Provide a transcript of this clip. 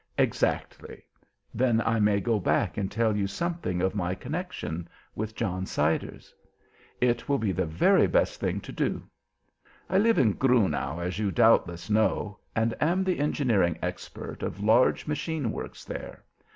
"Exactly. Then I may go back and tell you something of my connection with John Siders?" "It would be the very best thing to do." "I live in Grunau, as you doubtless know, and am the engineering expert of large machine works there.